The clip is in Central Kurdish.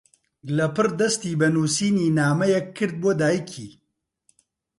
لەپڕ دەستی بە نووسینی نامەیەک کرد بۆ دایکی.